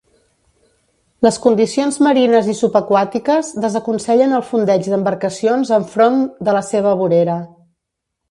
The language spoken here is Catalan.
Les condicions marines i subaquàtiques desaconsellen el fondeig d'embarcacions enfront de la seva vorera.